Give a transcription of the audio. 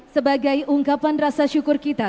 sebagai ungkapan rasa syukur kita